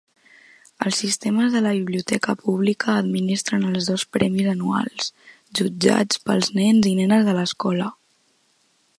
Els sistemes de la biblioteca pública administren els dos premis anuals, jutjats pels nens i nenes de l'escola.